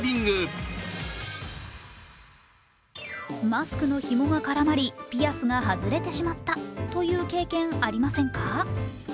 マスクのひもが絡まりピアスが外れてしまったという経験、ありませんか？